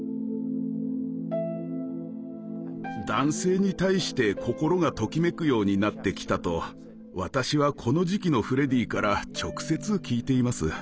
男性に対して心がときめくようになってきたと私はこの時期のフレディから直接聞いています。